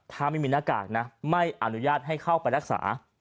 ถ้าไม่มีหน้ากากนะไม่อนุญาตให้เข้าไปรักษา